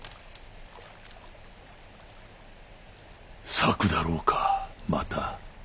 咲くだろうかまた。